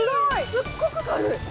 すっごく軽い。